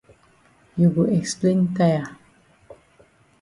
You go explain tire.